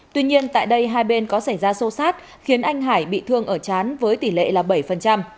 tuy nhiên tại đây hai bên có xảy ra sâu sát khiến anh hải bị thương ở chán với tỷ lệ là bảy